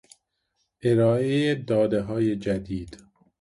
ارائهی دادههای جدید